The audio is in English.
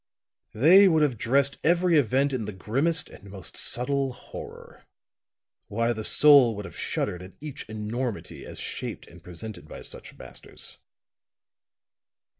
They would have dressed every event in the grimmest and most subtle horror; why, the soul would have shuddered at each enormity as shaped and presented by such masters."